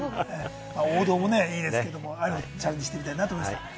王道もいいですけれど、チャレンジしてみたいと思います。